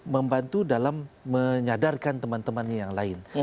membantu dalam menyadarkan teman temannya yang lain